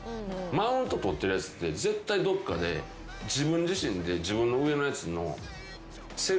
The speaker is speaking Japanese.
マウント取ってるやつって絶対どっかで自分自身で自分の上のやつの。